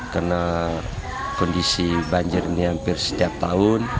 karena kondisi banjir ini hampir setiap tahun